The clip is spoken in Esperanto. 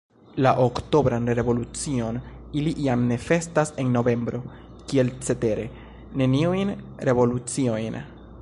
La oktobran revolucion ili jam ne festas en novembro, kiel cetere neniujn revoluciojn.